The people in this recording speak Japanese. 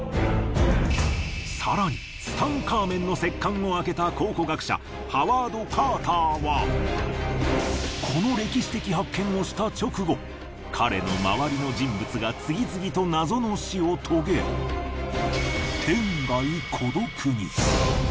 更にツタンカーメンの石棺を開けた考古学者ハワード・カーターはこの歴史的発見をした直後彼の周りの人物が次々と謎の死を遂げ天涯孤独に。